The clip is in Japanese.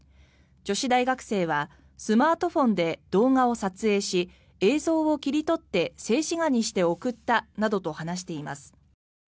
女子大学生はスマートフォンで動画を撮影し映像を切り取って静止画にして送ったなどと話しています。